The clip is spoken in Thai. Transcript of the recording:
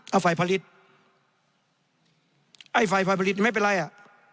เอาไฟผลิตไอ้ไฟฝ่ายผลิตไม่เป็นไรอ่ะ